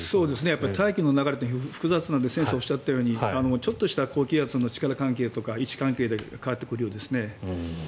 大気の流れって複雑なので先生がおっしゃったようにちょっとした高気圧の力関係とか位置関係で変わってくるようですね。